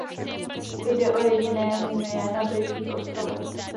Jde o jediné mumie na Britských ostrovech.